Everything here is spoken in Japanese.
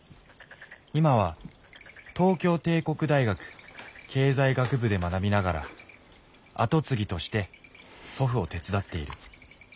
今は東京帝国大学経済学部で学びながら跡継ぎとして祖父を手伝っている。